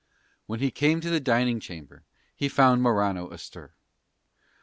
When he came to the dining chamber he found Morano astir.